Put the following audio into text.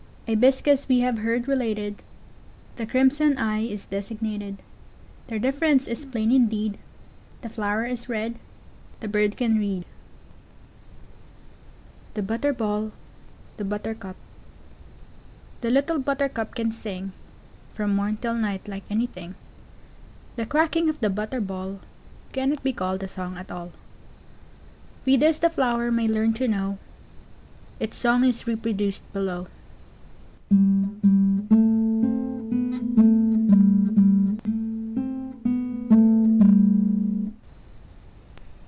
'Ibiscus we have heard related, The "Crimson Eye" is designated; Their difference is plain indeed, The flower is red, the bird can read. The Butter ball. The Butter cup. [Illustration: The Butter ball. The Butter cup.] The little Butter cup can sing, From morn 'till night like anything: The quacking of the Butter ball, Cannot be called a song at all. We thus the flower may learn to know, Its song is reproduced below.